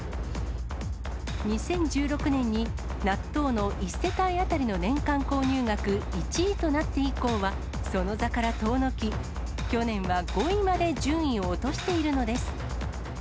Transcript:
２０１６年に、納豆の１世帯当たりの年間購入額１位となって以降は、その座から遠のき、去年は５位まで順位を落としているのです。